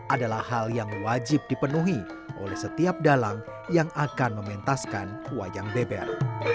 adalah hal yang wajib dipenuhi oleh setiap dalang yang akan mementaskan wayang beber